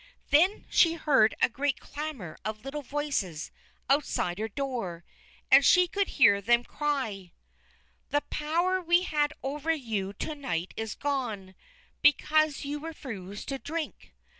Then she heard a great clamour of little voices outside her door, and she could hear them cry: "The power we had over you to night is gone, because you refused to drink!